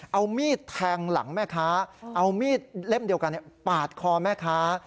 เอามีดแทงหลังแม่ค้าเอามีดเล่มเดียวกันปาดคอแม่ค้า